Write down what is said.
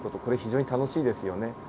これ非常に楽しいですよね。